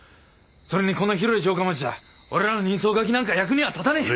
それにこの広い城下町じゃ俺らの人相書きなんか役には立たねえ。